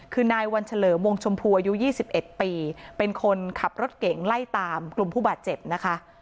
คือนายวันเฉลิมวงชมพูอายุ๒๑ปีเป็นคนขับรถเก่งไล่ตามกลุ่มผู้บาดเจ็บนะคะ